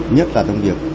nhất là trong việc